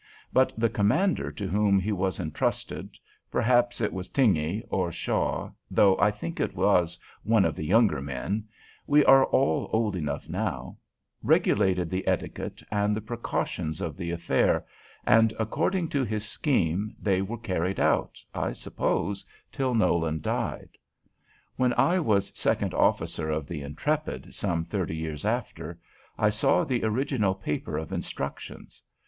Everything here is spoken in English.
But the commander to whom he was intrusted, perhaps it was Tingey or Shaw, though I think it was one of the younger men, we are all old enough now, regulated the etiquette and the precautions of the affair, and according to his scheme they were carried out, I suppose, till Nolan died. When I was second officer of the "Intrepid," some thirty years after, I saw the original paper of instructions.